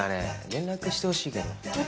連絡してほしいけど。